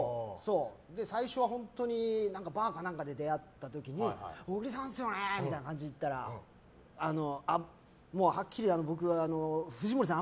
最初は本当にバーか何かで出会った時に小栗さんですよね！っていう感じでいったらもうはっきり僕は藤森さん